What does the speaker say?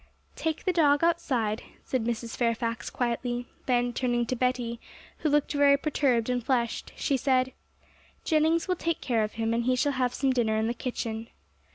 'Take the dog outside,' said Mrs. Fairfax quietly; then, turning to Betty, who looked very perturbed and flushed, she said, 'Jennings will take care of him, and he shall have some dinner in the kitchen.'